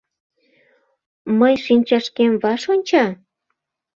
Мы́й шинчашке́м ва́ш онча́?